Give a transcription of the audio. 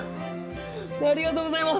ありがとうございます。